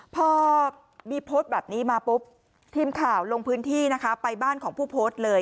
พอมีโพสต์แบบนี้มาปุ๊บทีมข่าวลงพื้นที่นะคะไปบ้านของผู้โพสต์เลย